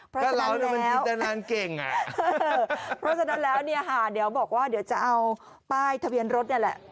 เพราะฉะนั้นแล้วเพราะฉะนั้นแล้วเนี่ยหาเดี๋ยวบอกว่าเดี๋ยวจะเอาป้ายทะเบียนรถเนี่ยแหละ